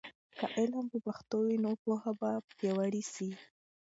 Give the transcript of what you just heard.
که علم په پښتو وي، نو پوهه به پیاوړې سي.